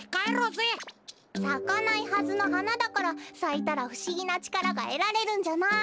さかないはずのはなだからさいたらふしぎなちからがえられるんじゃない！